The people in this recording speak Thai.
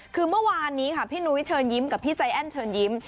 คือเมื่อวานนี้ค่ะพี่นุ้ยเชิญยิ้มกับพี่ใจแอ้นเชิญยิ้ม